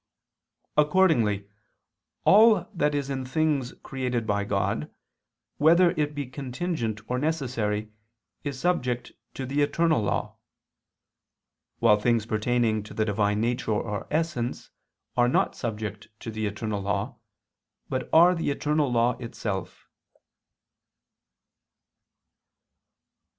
Accordingly all that is in things created by God, whether it be contingent or necessary, is subject to the eternal law: while things pertaining to the Divine Nature or Essence are not subject to the eternal law, but are the eternal law itself.